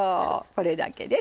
これだけです。